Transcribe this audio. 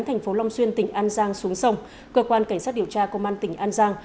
thành phố long xuyên tỉnh an giang xuống sông cơ quan cảnh sát điều tra công an tỉnh an giang